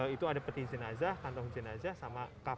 itu ada peti jenazah kantong jenazah sama infarkt terbaik mereka